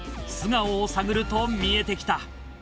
素顔を探ると見えてきた